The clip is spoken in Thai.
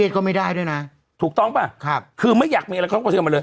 เทรดก็ไม่ได้ด้วยนะถูกต้องป่ะค่ะคือไม่อยากมีอะไรกระทบกระเทือนมันเลย